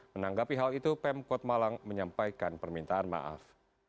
menanggapi hal itu pemkot malang menyampaikan permintaan maaf